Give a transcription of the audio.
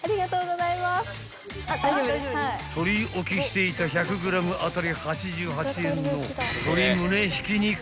［取り置きしていた１００ｇ当たり８８円の鶏ムネひき肉１ｋｇ分を４パック］